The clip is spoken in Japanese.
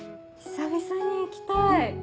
久々に行きたい。